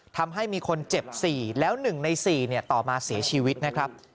ทำให้มีคนเจ็บ๔แล้ว๑ใน๔ต่อมาเสียชีวิตนะครับ